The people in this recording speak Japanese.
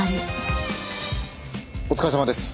お疲れさまです。